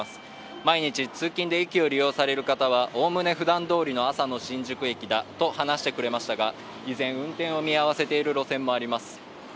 毎日通勤で駅を利用される方はおおむねふだんどおりの朝の新宿駅だと話してくれましたが依然、運転を見合せている路線もあります。